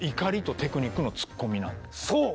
そう！